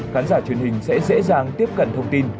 khán giả truyền hình sẽ dễ dàng tiếp cận thông tin